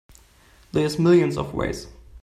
There's millions of ways.